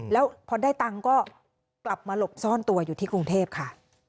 แล้วพอได้ตังค์ก็กลับมาหลบซ่อนตัวอยู่ที่กรุงเทพค่ะ